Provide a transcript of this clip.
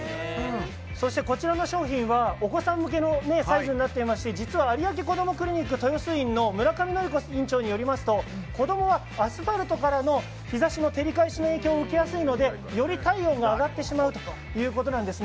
そして、こちらの商品はお子さん向けのサイズになっていまして、実は有明こどもクリニック豊洲院の村上典子院長によりますと子供はアスファルトからの日差しの照り返しの影響を受けやすいのでより体温が上がってしまうということなんです。